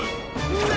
うわ！